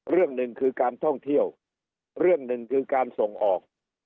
เรื่องหนึ่งคือการท่องเที่ยวเรื่องหนึ่งคือการส่งออก